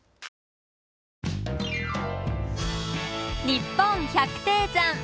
「にっぽん百低山」。